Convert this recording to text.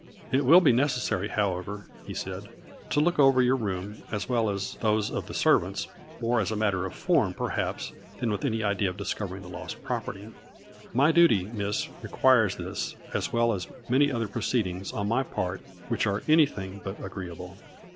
" It will be necessary, however," he said, " to look over your room, as well as those of the ser vants, more as a matter of form perhaps, than with any idea of discovering the lost property. My duty, Miss, requires this as well as many other proceedings on my part which are any thing but agreeable."